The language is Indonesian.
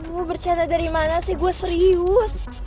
gue bercanda dari mana sih gue serius